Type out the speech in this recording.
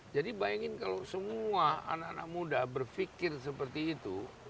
bayangin kalau semua anak anak muda berpikir seperti itu